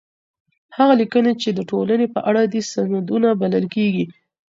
هغه ليکنې چي د ټولني په اړه دي، سندونه بلل کيږي.